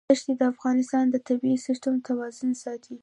دښتې د افغانستان د طبعي سیسټم توازن ساتي.